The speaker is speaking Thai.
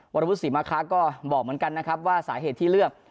วัตถุสิมค่าก็บอกเหมือนกันนะครับว่าสาเหตุที่เลือก